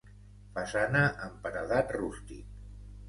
Façana en paredat rústic.